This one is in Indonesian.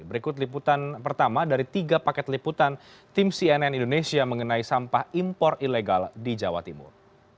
berikut liputan pertama dari tiga paket liputan tim cnn indonesia mengenai sampah impor ilegal di jawa timur